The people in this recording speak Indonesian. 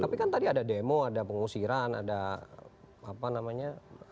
tapi kan tadi ada demo ada pengusiran ada apa namanya